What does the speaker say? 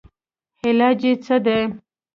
علاج ئې څۀ دے